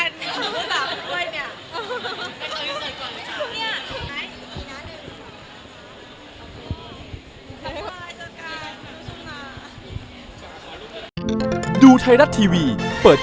พี่จันก็อยู่นี่ไปเลยละกัน